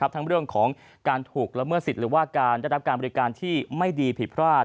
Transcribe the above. ทั้งเรื่องของการถูกละเมิดสิทธิ์หรือว่าการได้รับการบริการที่ไม่ดีผิดพลาด